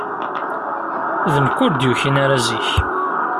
D nekk ur d-yukin ara zik.